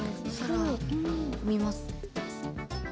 「空」見ます。